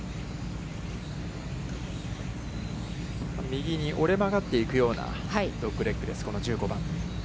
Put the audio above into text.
右に折れ曲がっていくようなドッグレッグです、この１５番。